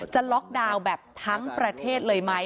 จะล็อกดาวน์แบบทั้งประเทศเลยไหม